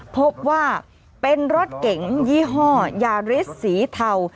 พบว่าเป็นรถเก๋งยี่ห้อยาริสสีเทา